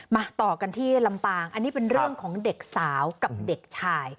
มาต่อกันที่ลำปางอันนี้เป็นเรื่องของเด็กสาวกับเด็กชาย